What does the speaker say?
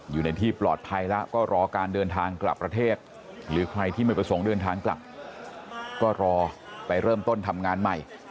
อยู่ในที่ปลอดภัยแล้วก็รอการเดินทางกลับประเทศหรือใครที่ไม่ประสงค์เดินทางกลับก็รอไปเริ่มต้นทำงานใหม่